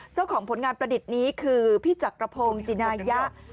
เจ้าของผลงานประดิษฐ์นี้คือพี่จักรพงศ์จินายะ